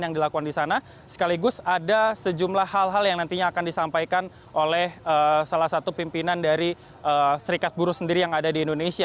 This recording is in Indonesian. yang dilakukan di sana sekaligus ada sejumlah hal hal yang nantinya akan disampaikan oleh salah satu pimpinan dari serikat buruh sendiri yang ada di indonesia